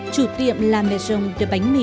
chủ tiệm la maison de bánh mì